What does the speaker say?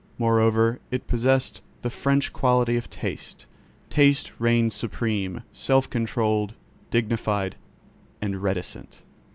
Moreover, it possessed the French quality of taste: taste reigned supreme, self controlled, dignified and reticent.